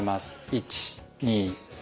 １２３。